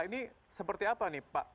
ini seperti apa nih pak